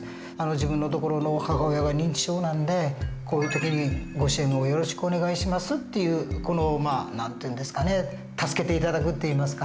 自分のところの母親が認知症なんでこういう時にご支援をよろしくお願いしますっていうこの何て言うんですかね助けて頂くって言いますか。